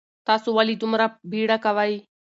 تاسو ولې دومره بیړه کوئ؟